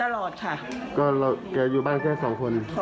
อร่อยไหม